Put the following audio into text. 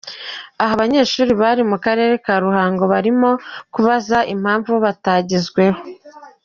Aha abanyeshuri bari ku karere ka Ruhango barimo kubaza impamvu bo batagezweho.